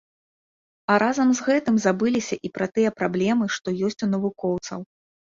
А разам з гэтым забыліся і пра тыя праблемы, што ёсць у навукоўцаў.